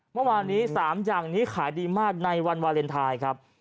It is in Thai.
เมื่อวานนี้๓อย่างนี้ขายดีมากในวันวาเลนไทยครับ